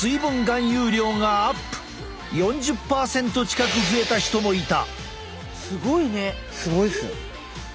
４０％近く増えた人もいた。